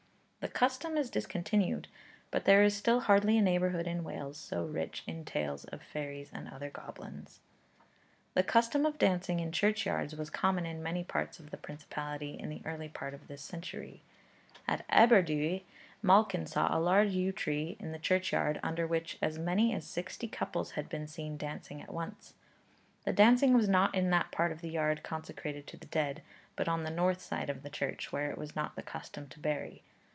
The custom is discontinued; but there is still hardly a neighbourhood in Wales so rich in tales of fairies and other goblins. The custom of dancing in churchyards was common in many parts of the Principality in the early part of this century. At Aberedwy, Malkin saw a large yew tree in the churchyard under which as many as sixty couples had been seen dancing at once. The dancing was not in that part of the yard consecrated to the dead, but on the north side of the church, where it was not the custom to bury.